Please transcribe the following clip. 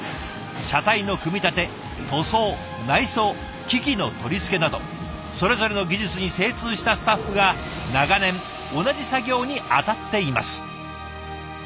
車体の組み立て塗装内装機器の取り付けなどそれぞれの技術に精通したスタッフが長年同じ作業に当たっています。